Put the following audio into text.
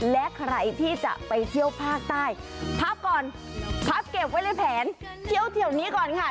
และใครที่จะไปเที่ยวภาคใต้พักก่อนพับเก็บไว้ในแผนเที่ยวแถวนี้ก่อนค่ะ